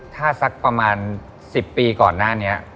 ถ้าสักประมาณ๑๐ปีก่อนหน้านี้